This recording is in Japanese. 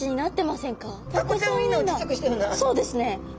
そうですね。